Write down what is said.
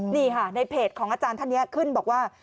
นี่ค่ะในเพจของอาจารย์ท่านนี้ขึ้นบอกว่า